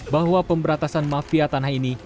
bahwa pemberatasan mafia tanah ini